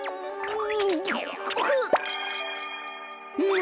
ん。